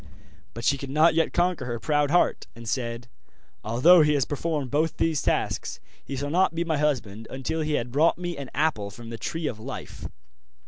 But she could not yet conquer her proud heart, and said: 'Although he has performed both the tasks, he shall not be my husband until he had brought me an apple from the Tree of Life.